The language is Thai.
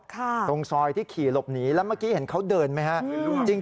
ตรงซอยที่ขี่หลบหนีแล้วเมื่อกี้เห็นเขาเดินไหมฮะ